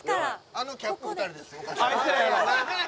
あのキャップ２人です。